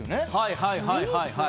はいはいはいはい。